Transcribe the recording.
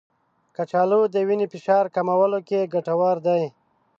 کچالو د وینې فشار کمولو کې ګټور دی.